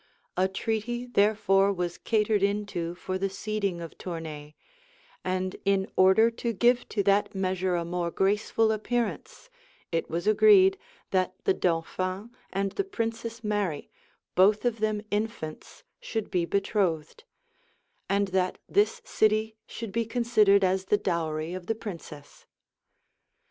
A treaty therefore was catered into for the ceding of Tournay; and in order to give to that measure a more graceful appearance, it was agreed, that the dauphin and the princess Mary, both of them infants, should be betrothed, and that this city should be considered as the dowry of the princess.